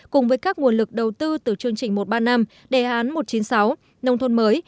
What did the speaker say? cùng với các nguồn lực đầu tư từ chương trình một ba năm đề án một chín sáu nông thôn mới